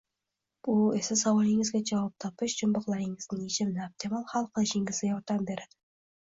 Bu esa savollaringizga javob topish, jumboqlaringizning yechimini optimal hal qilishingizda yordam beradi